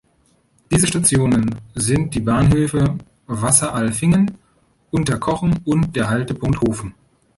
Diese Stationen sind die Bahnhöfe Wasseralfingen, Unterkochen und der Haltepunkt Hofen.